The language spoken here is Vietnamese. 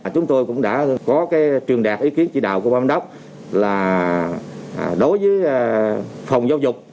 chúng tôi cũng đã có truyền đạt ý kiến chỉ đạo của ban đốc là đối với phòng giáo dục